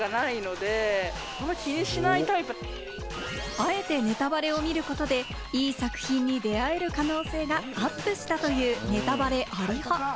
あえてネタバレを見ることで、いい作品に出会える可能性がアップしたという、ネタバレあり派。